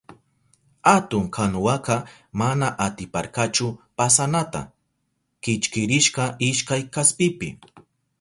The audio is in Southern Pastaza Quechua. Atun kanuwaka mana atiparkachu pasanata, kichkirishka ishkay kaspipi.